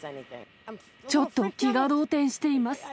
ちょっと気が動転しています。